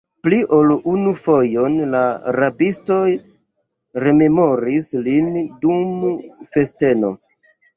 Pli ol unu fojon la rabistoj rememoris lin dum festeno!